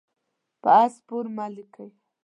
په آس سپور مه لیکئ.